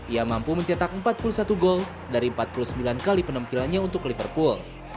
ia mampu mencetak empat puluh satu gol dari empat puluh sembilan kali penampilannya untuk liverpool